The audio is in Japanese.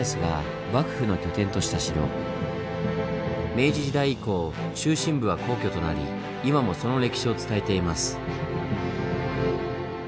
明治時代以降中心部は皇居となり今もその歴史を伝えています。